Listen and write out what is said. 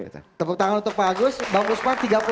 tepuk tangan untuk pak agus pak